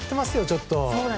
ちょっと。